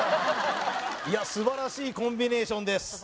いや素晴らしいコンビネーションです